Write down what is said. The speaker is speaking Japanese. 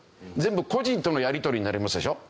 全部個人とのやり取りになりますでしょ。